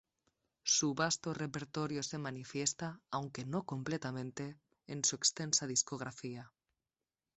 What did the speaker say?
Su vasto repertorio se manifiesta, aunque no completamente, en su extensa discografía.